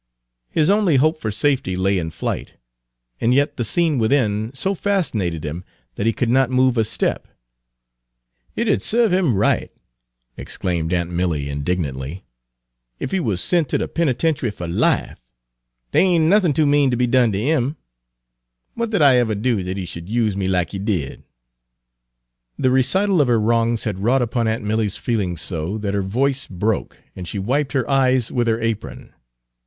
His only hope of safety lay in flight, and yet the scene within so fascinated him that he could not move a step. Page 267 "It 'u'd serve him right," exclaimed aunt Milly indignantly, "ef he wuz sent ter de penitenchy fer life! Dey ain't nuthin' too mean ter be done ter 'im. What did I ever do dat he should use me like he did?" The recital of her wrongs had wrought upon aunt Milly's feelings so that her voice broke, and she wiped her eyes with her apron.